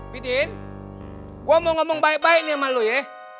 wedi gue mau ngomong baik baik nih sama lu ya